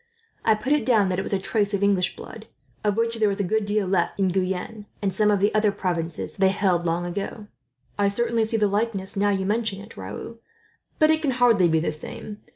I put it down that it was a trace of English blood, of which there is a good deal still left in Guyenne, and some of the other provinces they held, long ago." "I certainly see the likeness, now you mention it, Raoul; but it can hardly be the same.